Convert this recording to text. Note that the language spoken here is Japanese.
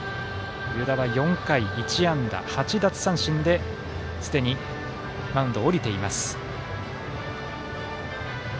湯田は、４回１安打８奪三振ですでにマウンドを降りています。